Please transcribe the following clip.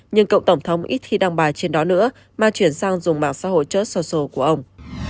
nhưng cộng tổng thống ít khi đăng bài trên đó nữa mà chuyển sang dùng mạng xã hội chất social của ông